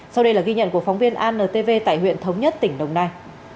sau đây là ghi nhận của phóng viên antv tại huyện thống nhất tỉnh đồng nai